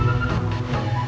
saya akan cerita soal ini